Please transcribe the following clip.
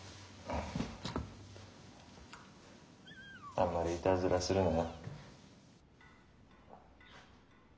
あまりいたずらするなよ。